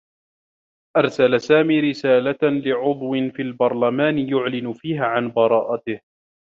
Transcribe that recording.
أرسل سامي رسالة لعضو في البرلمان يعلن فيها عن براءته.